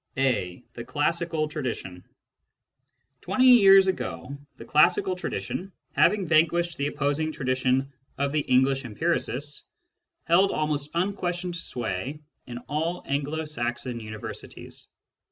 A. The Classical Tradition Twenty years ago, the classical tradition, having van quished the opposing tradition of the English empiricists, held almost unquestioned sway in all Anglo Saxon universities.